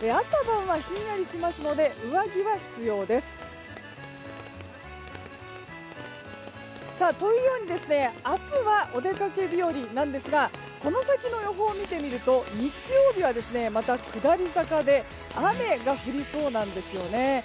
朝晩はひんやりしますので上着は必要です。というように明日はお出かけ日和なんですがこの先の予報を見てみると日曜日はまた下り坂で雨が降りそうなんですね。